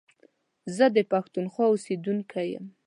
زه دا پښتونخوا اوسيدونکی يم.